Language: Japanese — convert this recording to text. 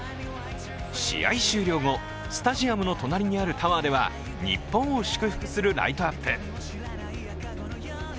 試合終了後、スタジアムの隣にあるタワーでは日本を祝福するライトアップ。